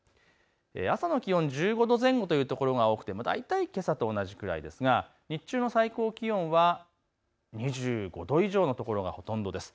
朝の気温１５度前後という所が多くて、大体けさと同じくらいですが、日中の最高気温は２５度以上の所がほとんどです。